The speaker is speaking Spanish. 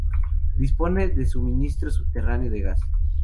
Dispone de suministro subterráneo de gas.